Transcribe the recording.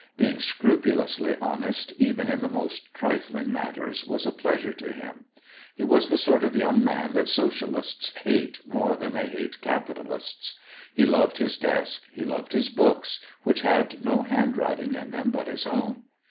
Being scrupulously honest even in the most trifling matters was a pleasure to him. He was the sort of young man that Socialists hate more than they hate capitalists. He loved his desk, he loved his books, which had no handwriting in them but his own.